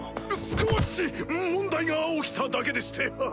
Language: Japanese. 少し問題が起きただけでしてハハ。